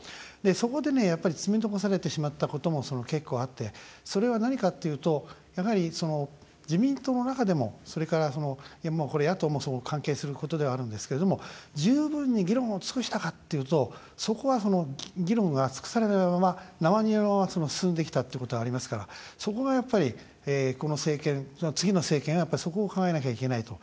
そこでね、やっぱり積み残されてしまったことも結構あってそれは何かっていうとやはり、自民党の中でもそれから野党も関係することではあるんですけれども、十分に議論を尽くしたかっていうとそこは、議論が尽くされないまま生煮えのまま進んできたっていうことがありますからそこが、やっぱり、この政権その次の政権がそこを考えなきゃいけないと。